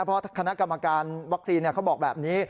เพราะคณะกรรมการวัคซีนเขาบอกแบบนี้